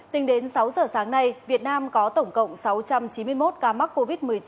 tính đến sáu giờ sáng nay việt nam có tổng cộng sáu trăm chín mươi một ca mắc covid một mươi chín